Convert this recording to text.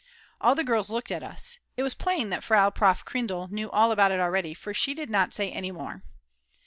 All the girls looked at us. It was plain that Frau Prof. Kreindl knew all about it already for she did not say any more.